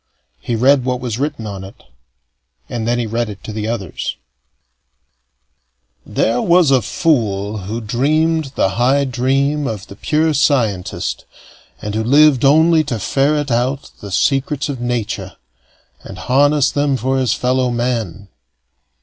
He read what was written on it, and then he read it to the others: There was a fool who dreamed the high dream of the pure scientist, and who lived only to ferret out the secrets of nature, and harness them for his fellow men.